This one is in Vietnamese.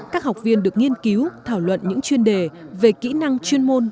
các học viên được nghiên cứu thảo luận những chuyên đề về kỹ năng chuyên môn